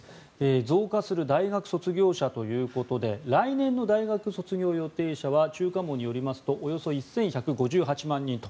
増加する大学卒業者ということで来年の大学卒業予定者は中華網によりますとおよそ１１５８万人と。